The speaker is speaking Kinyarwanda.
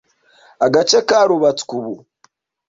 Agace karubatswe ubu.